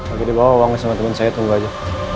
oke dibawa uangnya sama temen saya tunggu aja